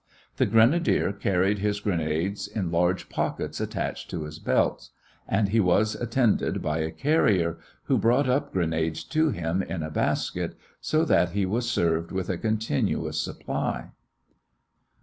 The grenadier carried his grenades in large pockets attached to his belt, and he was attended by a carrier who brought up grenades to him in baskets, so that he was served with a continuous supply.